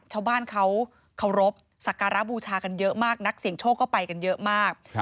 ชาวบ้านเขาเคารพสักการะบูชากันเยอะมากนักเสี่ยงโชคก็ไปกันเยอะมาก